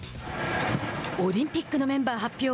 オリンピックのメンバー発表